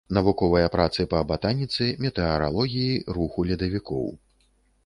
Навуковыя працы па батаніцы, метэаралогіі, руху ледавікоў.